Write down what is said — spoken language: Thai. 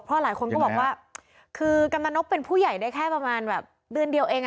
เพราะหลายคนก็บอกว่าคือกำนันนกเป็นผู้ใหญ่ได้แค่ประมาณแบบเดือนเดียวเอง